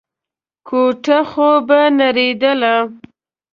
کوټه خو به نړېدله.